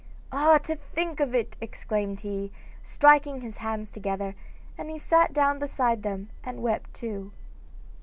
'Ah, to think of it!' exclaimed he, striking his hands together, and he sat down beside them and wept too.